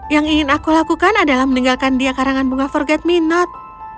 yang ingin aku lakukan adalah meninggalkan dia karangan bunga forget me not